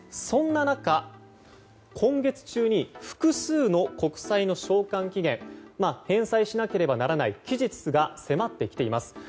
そんな中、今月中に複数の国債の償還期限返済しなければならない期日が迫ってきています。